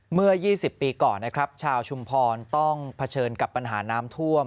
เมื่อ๒๐ปีก่อนนะครับชาวชุมพรต้องเผชิญกับปัญหาน้ำท่วม